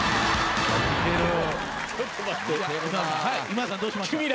今田さんどうしました？